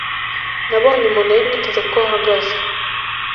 nabonye umuntu nari niteze ko ahagaze.